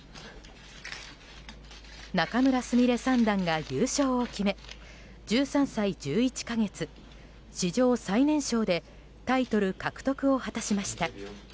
仲邑菫三段が優勝を決め１３歳１１か月、史上最年少でタイトル獲得を果たしました。